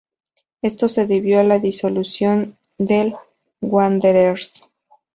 Esto se debió a la disolución del Wanderers.